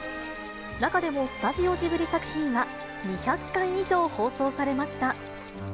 中でもスタジオジブリ作品は、２００回以上放送されました。